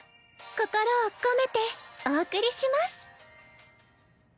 心を込めてお送りします。